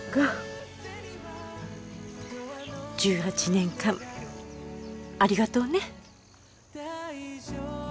１８年間ありがとうね。